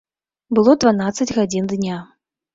Было дванаццаць гадзін дня.